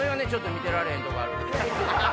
見てられへんとこある。